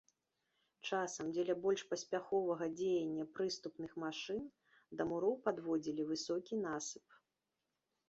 Часам, дзеля больш паспяховага дзеяння прыступных машын, да муроў падводзілі высокі насып.